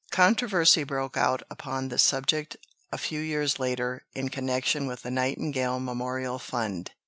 Controversy broke out upon the subject a few years later in connection with the Nightingale Memorial Fund.